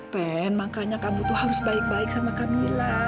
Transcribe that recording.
pen makanya kamu tuh harus baik baik sama kamila